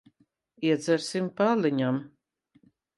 Iedzersim pa aliņam.